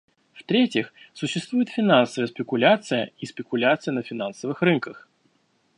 В-третьих, существует финансовая спекуляция и спекуляция на финансовых рынках.